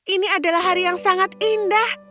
ini adalah hari yang sangat indah